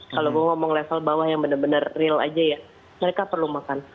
kalau gue ngomong level bawah yang benar benar real aja ya mereka perlu makan